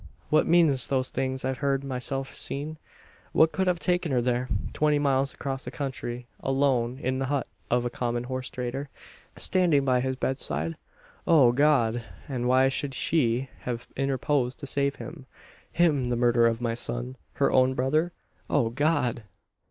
"What means those things I've heard myself seen? What could have taken her there twenty miles across the country alone in the hut of a common horse trader standing by his bedside? O God! And why should she have interposed to save him him, the murderer of my son her own brother? O God!"